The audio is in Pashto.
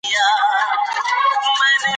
صبر کول د ماشومانو ځانګړتیا ده.